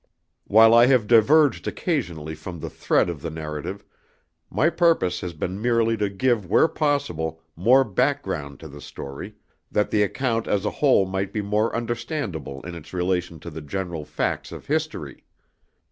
While I have diverged occasionally from the thread of the narrative, my purpose has been merely to give where possible more background to the story, that the account as a whole might be more understandable in its relation to the general facts of history.